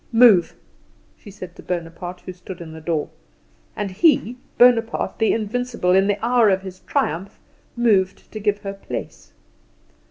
"Move!" she said to Bonaparte, who stood in the door, and he, Bonaparte the invincible, in the hour of his triumph, moved to give her place.